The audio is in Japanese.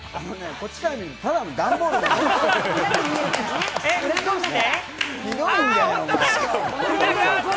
こっちから見るとただの段ボえっ、どうして？